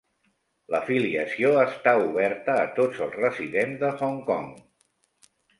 L'afiliació està oberta a tots els residents de Hong Kong.